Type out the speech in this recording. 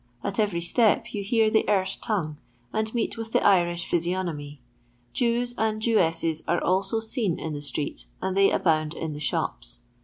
At every step you hear the Erse tongue, and meet with the Irish physiognomy ; Jews and Jewesses are also i seen in the street, and they abound in the shops.